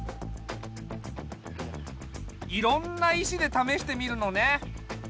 いろんな石でためしてみるのね。